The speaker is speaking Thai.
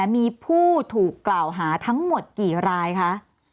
มีผู้ถูกกล่าวหาทั้งหมดกี่รายคะ